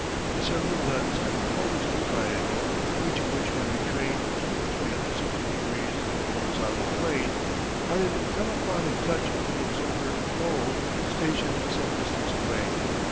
The several guns at the comers of the triangle, each of which can be trained through the 360 degrees in the horizontal plane, are in telephonic touch with an observer O stationed some distance away.